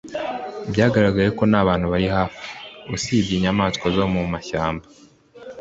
byagaragaye ko nta bantu bari hafi, usibye inyamaswa zo mu mashyamba